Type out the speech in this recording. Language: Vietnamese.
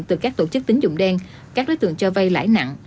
từ các tổ chức tính dụng đen các đối tượng cho vay lãi nặng